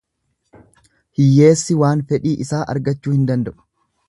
Hiyyeessi waan fedhii isaa argachuu hin danda'u.